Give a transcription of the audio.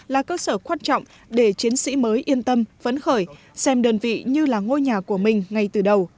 là cơ sở quan trọng để chiến sĩ mới yên tâm vấn khởi xem đơn vị như là ngôi nhà của mình ngay từ đầu